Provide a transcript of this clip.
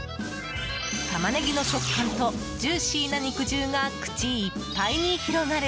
タマネギの食感とジューシーな肉汁が口いっぱいに広がる